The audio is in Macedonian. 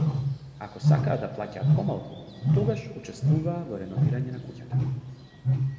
Ако сакаа да плаќаат помалку, тогаш учествуваа во реновирање на куќата.